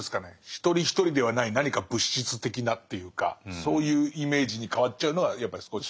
一人一人ではない何か物質的なっていうかそういうイメージに変わっちゃうのはやっぱり少し。